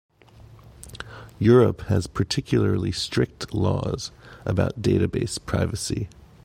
Europe has particularly strict laws about database privacy.